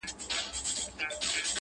ته تر کومه انتظار کوې بې بخته!!